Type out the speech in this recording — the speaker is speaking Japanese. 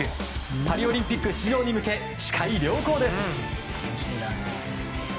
パリオリンピック出場に向け視界良好です！